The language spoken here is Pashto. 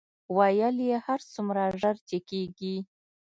ویل یې هر څومره ژر چې کېږي.